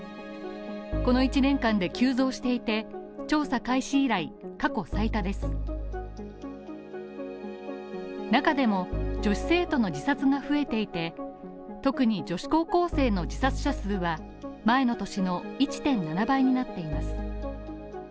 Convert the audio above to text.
この１年間で急増していて、調査開始以来、過去最多です中でも女子生徒の自殺が増えていて、特に女子高校生の自殺者数は前の年の１．７倍になっています。